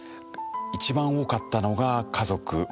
一番多かったのが家族ま